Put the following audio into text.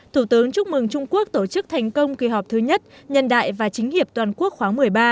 thủ tướng chúc mừng trung quốc tổ chức thành công kỳ họp thứ nhất nhân đại và chính hiệp toàn quốc khoáng một mươi ba